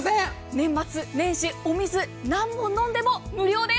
年末年始お水何本飲んでも無料です。